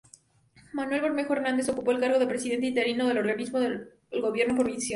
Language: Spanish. Manuel Bermejo Hernández ocupó el cargo de presidente interino del organismo de gobierno provisional.